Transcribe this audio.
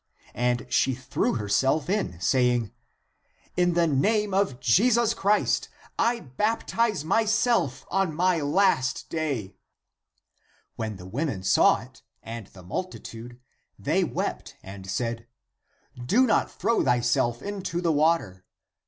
And she threw herself in, saying, " In the name of Jesus Christ I baptize myself on my last day." When the women saw ^^ it, and the multitude, they wept and said, "Do not throw thyself into the water!"